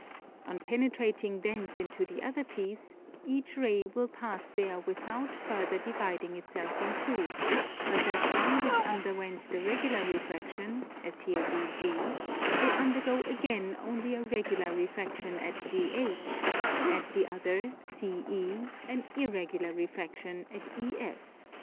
On penetrating thence into the other piece each ray will pass there without further dividing itself in two; but that one which underwent the regular refraction, as here DG, will undergo again only a regular refraction at GH; and the other, CE, an irregular refraction at EF.